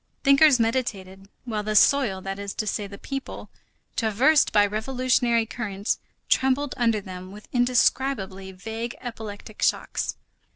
Thinkers meditated, while the soil, that is to say, the people, traversed by revolutionary currents, trembled under them with indescribably vague epileptic shocks.